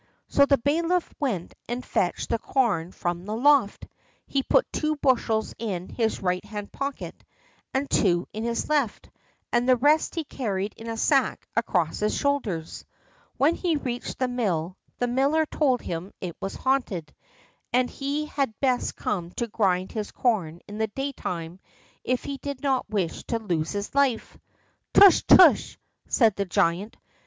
So the bailiff went and fetched the corn from the loft. He put two bushels in his right hand pocket, and two in his left, and the rest he carried in a sack across his shoulders. When he reached the mill the miller told him it was haunted, and he had best come to grind his corn in the daytime if he did not wish to lose his life. "Tush, tush!" said the giant.